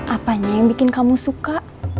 apanya yang bikin kamu suka